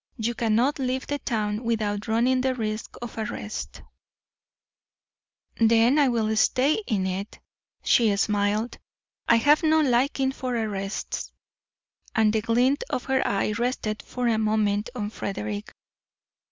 You cannot leave the town without running the risk of arrest" "Then I will stay in it," she smiled. "I have no liking for arrests," and the glint of her eye rested for a moment on Frederick.